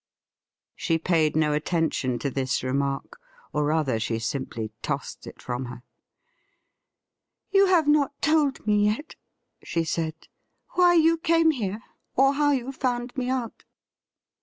She paid no attention to this remark, or, rather, she simply tossed it from her. ' You have not told me yet,' she said, ' why you came here, or how you found me out.'